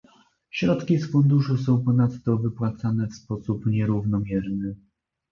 Środki z funduszu są ponadto wypłacane w sposób nierównomierny